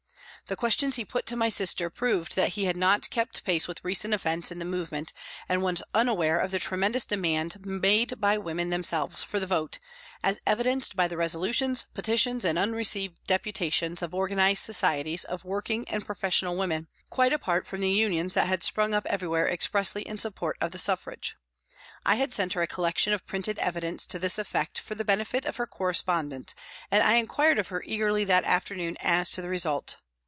The questions he put to my sister proved that he had 110 PRISONS AND PRISONERS not kept pace with recent events in the movement and Avas unaware of the tremendous demand made by women themselves for the vote as evidenced by the resolutions, petitions, and unreceived deputa tions of organised societies of working and profes sional women, quite apart from the unions that had sprung up everywhere expressly in support of the Suffrage. I had sent her a collection of printed evidence to this effect for the benefit of her corre spondent and I inquired of her eagerly that afternoon as to the result.